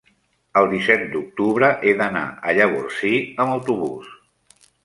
el disset d'octubre he d'anar a Llavorsí amb autobús.